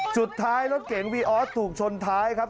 สุดท้ายรถเก๋งวีออสถูกชนท้ายครับ